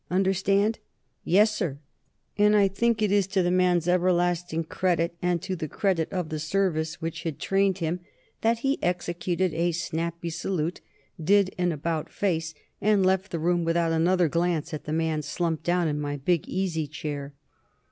Understand?" "Yes, sir!" And I think it is to the man's everlasting credit, and to the credit of the Service which had trained him, that he executed a snappy salute, did an about face, and left the room without another glance at the man slumped down in my big easy chair.